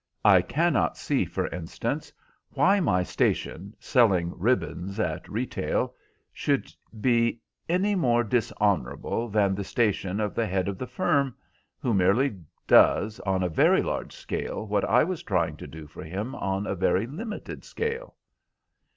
I cannot see, for instance, why my station, selling ribbons at retail, should be any more dishonourable than the station of the head of the firm, who merely does on a very large scale what I was trying to do for him on a very limited scale."